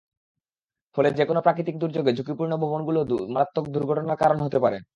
ফলে যেকোনো প্রাকৃতিক দুর্যোগে ঝুঁকিপূর্ণ ভবনগুলো মারাত্মক দুর্ঘটনার কারণ হতে পারে।